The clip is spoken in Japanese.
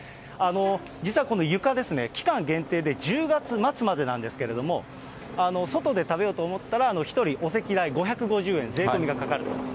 実はこの床ですね、期間限定で１０月末までなんですけども、外で食べようと思ったら、１人お席代５５０円、税込みがかかってます。